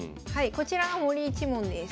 こちらが森一門です。